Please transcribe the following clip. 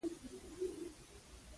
هلک د مثبتې انرژۍ یو سمبول دی.